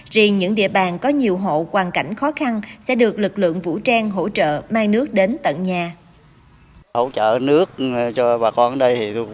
riêng những địa bàn có nhiều hộ hoàn cảnh khó khăn sẽ được lực lượng vũ trang hỗ trợ mang nước đến tận nhà